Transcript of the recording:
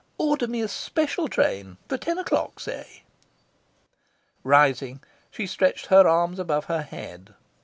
Order me a special train. For ten o'clock, say." Rising, she stretched her arms above her head.